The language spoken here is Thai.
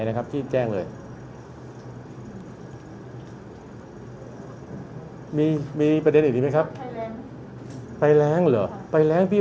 แต่เขาบอกว่ามีความที่อยากว่าจะแร้งเลย